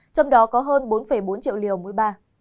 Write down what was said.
trong đó có hơn bốn bốn triệu liều mỗi ba